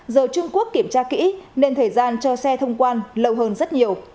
giờ trung quốc kiểm tra kỹ nên thời gian cho xe thông quan lâu hơn rất nhiều